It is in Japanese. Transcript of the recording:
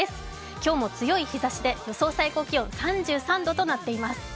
今日も強い日ざしで予想最高気温３３度となっています。